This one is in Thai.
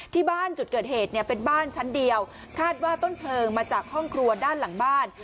ที่บ้านจุดเกิดเหตุเนี่ยเป็นบ้านชั้นเดียวคาดว่าต้นเพลิงมาจากห้องครัวด้านหลังบ้าน